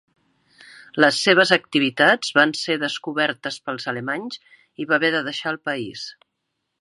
Les seves activitats van ser descobertes pels alemanys i va haver de deixar el país.